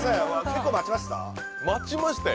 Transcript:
結構待ちました？